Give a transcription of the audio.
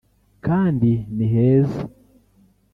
kandi ni heza